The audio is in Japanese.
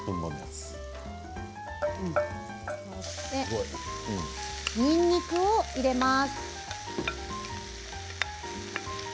そして、にんにくを入れます。